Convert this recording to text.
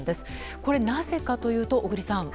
これなぜかというと小栗さん。